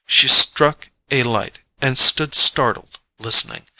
She struck a light and stood startled, listening.